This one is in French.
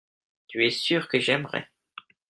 tu es sûr que j'aimerais.